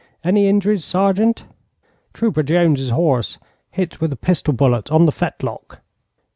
'Any injuries, Sergeant?' 'Trooper Jones's horse hit with a pistol bullet on the fetlock.'